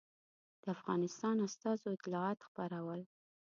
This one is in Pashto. د افغانستان استازو اطلاعات خپرول.